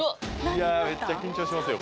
いやめっちゃ緊張しますよ